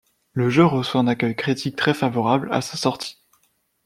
Le jeu reçoit un accueil critique très favorable à sa sortie.